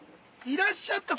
いらっしゃった！